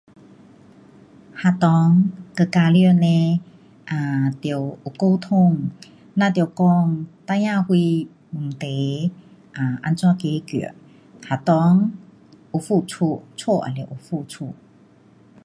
学校跟家长嘞得有沟通，咱得讲孩儿有什么问题 um 怎样解决。学校有付出，家也要有付出。